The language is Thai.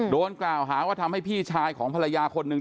โดนกล่าวหาว่าทำให้พี่ชายของภรรยาคนหนึ่ง